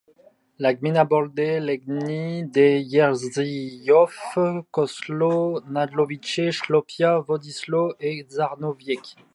La gmina borde les gminy de Jędrzejów, Kozłów, Nagłowice, Słupia, Wodzisław et Żarnowiec.